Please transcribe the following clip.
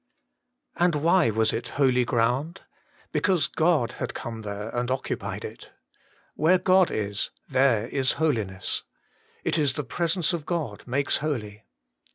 AND why was it holy ground ? Because God had come there and occupied it. Where God is, there is holiness ; it is the presence of God makes holy.